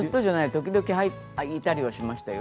時々いたりはしましたよ。